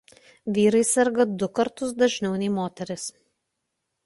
Vyrai serga du kartus dažniau nei moterys.